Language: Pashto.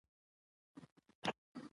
د موبایل له لارې بانکي حساب کنټرول کیدی شي.